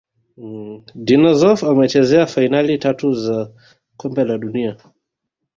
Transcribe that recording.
dino Zoff amecheza fainali tatu za kombe la dunia